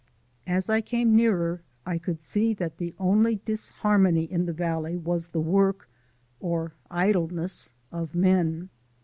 As I came nearer I could see that the only disharmony in the valley was the work (or idleness) of men.